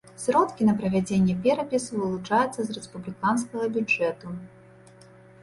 Сродкі на правядзенне перапісу вылучаюцца з рэспубліканскага бюджэту.